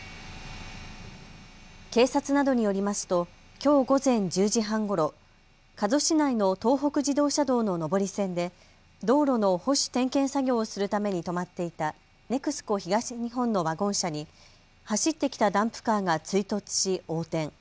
警察などによりますときょう午前１０時半ごろ、加須市内の東北自動車道の上り線で道路の保守・点検作業するために止まっていたＮＥＸＣＯ東日本のワゴン車に走ってきたダンプカーが追突し横転。